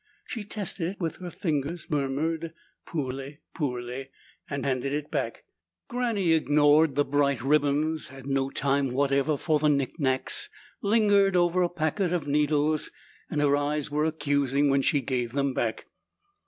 She tested it with her fingers, murmured, "Poorly, poorly," and handed it back. Granny ignored the bright ribbons, had no time whatever for the knickknacks, lingered over a packet of needles, and her eyes were accusing when she gave them back.